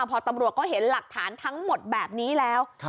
พอตำรวจก็เห็นหลักฐานทั้งหมดแบบนี้แล้ว